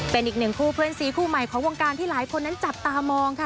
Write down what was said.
เป็นอีกหนึ่งคู่เพื่อนซีคู่ใหม่ของวงการที่หลายคนนั้นจับตามองค่ะ